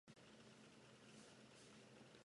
Smith did not nominate a type species.